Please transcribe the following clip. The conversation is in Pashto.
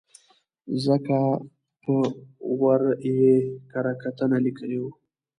ځکه په ور ه یې کره کتنه لیکلې وه.